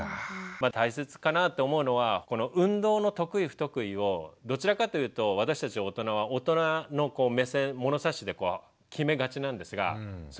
まあ大切かなって思うのはこの運動の得意・不得意をどちらかというと私たち大人は大人の目線物差しで決めがちなんですがそれは早い段階で決めないこと。